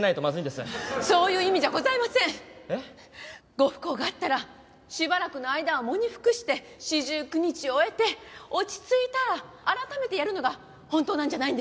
ご不幸があったらしばらくの間は喪に服して四十九日を終えて落ち着いたら改めてやるのが本当なんじゃないんですか？